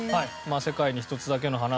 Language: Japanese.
『世界に一つだけの花』